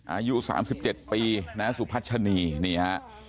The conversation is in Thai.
อายุ๓๗ปีนะสุพัชนีนี่ฮะ